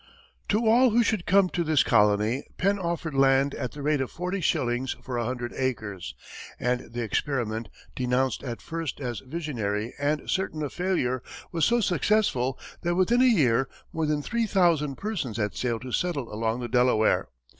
To all who should come to his colony, Penn offered land at the rate of forty shillings for a hundred acres, and the experiment, denounced at first as visionary and certain of failure, was so successful that within a year, more than three thousand persons had sailed to settle along the Delaware.